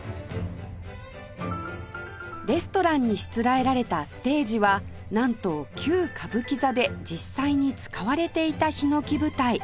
レストランにしつらえられたステージはなんと旧歌舞伎座で実際に使われていたひのき舞台